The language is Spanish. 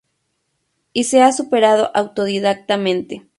Y se ha superado autodidacta mente.